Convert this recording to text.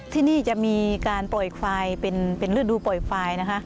ที่นี่จะมีการปล่อยควายเป็นฤดูปล่อยไฟนะคะ